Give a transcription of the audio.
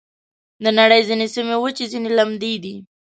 د نړۍ ځینې سیمې وچې، ځینې لمدې دي.